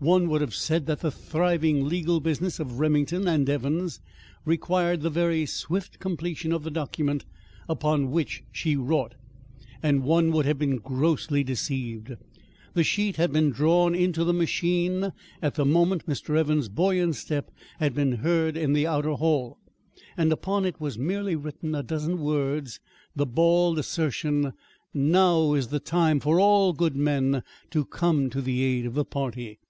One would have said that the thriving legal business of Remington and Evans required the very swift completion of the document upon which she wrought. And one would have been grossly deceived. The sheet had been drawn into the machine at the moment Mr. Evans' buoyant step had been heard in the outer hall, and upon it was merely written a dozen times the bald assertion, "Now is the time for all good men to come to the aid of the party."